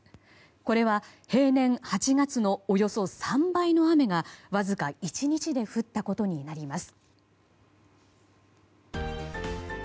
これは平年８月のおよそ３倍の雨がわずか１日で降ったことになります。